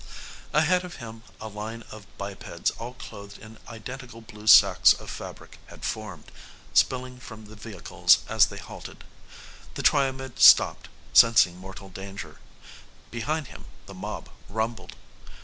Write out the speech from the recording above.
Ahead of him a line of bipeds all clothed in identical blue sacs of fabric had formed, spilling from the vehicles as they halted. The Triomed stopped, sensing mortal danger. Behind him, the mob rumbled.